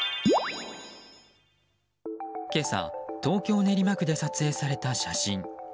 今朝東京・練馬区で撮影された写真。